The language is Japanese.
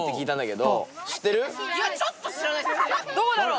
どこだろう？